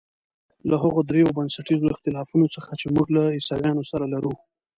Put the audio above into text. له هغو درېیو بنسټیزو اختلافونو څخه چې موږ له عیسویانو سره لرو.